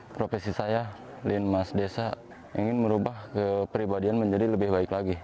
profesi saya linmas desa ingin merubah kepribadian menjadi lebih baik lagi